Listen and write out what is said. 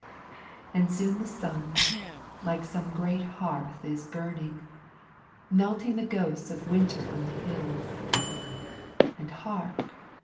And soon the sun, like some great hearth is burning, Melting the ghosts of Winter on the hills, And hark!